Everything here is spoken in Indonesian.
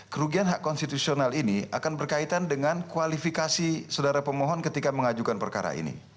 kerugian hak konstitusional ini akan berkaitan dengan kualifikasi saudara pemohon ketika mengajukan perkara ini